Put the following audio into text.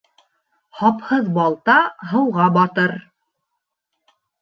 Һапһыҙ балта һыуға батыр.